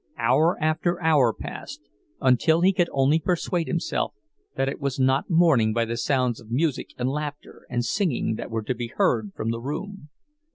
Hour after hour passed, until he could only persuade himself that it was not morning by the sounds of music and laughter and singing that were to be heard from the room.